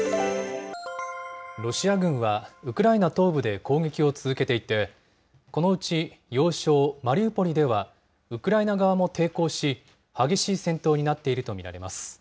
ロシア軍はウクライナ東部で攻撃を続けていて、このうち要衝マリウポリでは、ウクライナ側も抵抗し、激しい戦闘になっていると見られます。